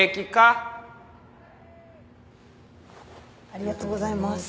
ありがとうございます。